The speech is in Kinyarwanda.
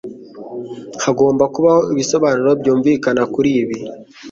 Hagomba kubaho ibisobanuro byumvikana kuri ibi